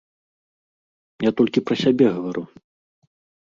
Я толькі пра сябе гавару.